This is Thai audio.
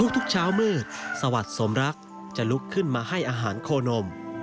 ทุกเช้ามืดสวัสดิ์สมรักจะลุกขึ้นมาให้อาหารโคนม